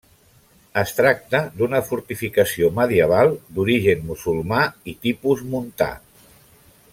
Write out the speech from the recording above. Es tracta d'una fortificació medieval d'origen musulmà i tipus montà.